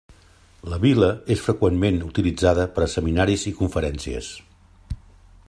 La Vil·la és freqüentment utilitzada per a seminaris i conferències.